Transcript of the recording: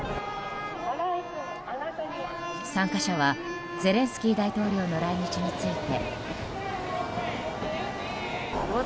参加者はゼレンスキー大統領の来日について。